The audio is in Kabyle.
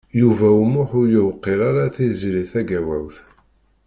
Yuba U Muḥ ur yewqil ara Tiziri Tagawawt.